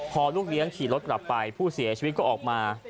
พอลูกเลี้ยงขี่รถกลับไปผู้เสียชีวิตก็ออกมา